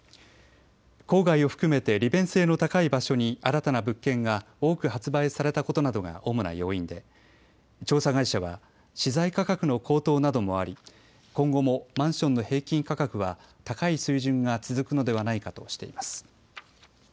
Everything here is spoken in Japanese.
郊外を含めて利便性の高い場所に新たな物件が多く発売されたことなどが主な要因で調査会社は資材価格の高騰などもあり今後もマンションの平均価格は高い水準が続くのではないかとしています。